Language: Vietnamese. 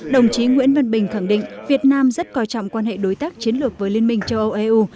đồng chí nguyễn văn bình khẳng định việt nam rất coi trọng quan hệ đối tác chiến lược với liên minh châu âu eu